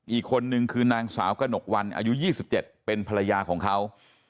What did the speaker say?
อีกคนนึงคือนางสาวกระหนกวันอายุ๒๗เป็นภรรยาของเขา